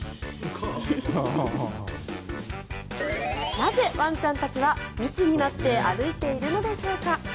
なぜ、ワンちゃんたちは密になって歩いているのでしょうか。